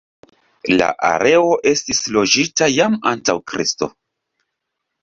La areo estis loĝita jam antaŭ Kristo.